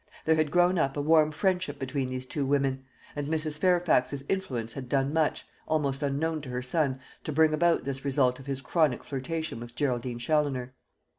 There had grown up a warm friendship between these two women; and Mrs. Fairfax's influence had done much, almost unknown to her son, to bring about this result of his chronic flirtation with Geraldine Challoner.